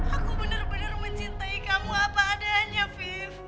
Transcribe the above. aku benar benar mencintai kamu apa adanya five